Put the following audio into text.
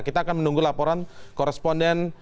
kita akan menunggu laporan koresponden